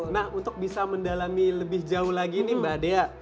nah untuk bisa mendalami lebih jauh lagi nih mbak dea